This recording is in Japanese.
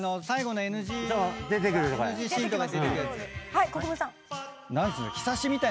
はい国分さん。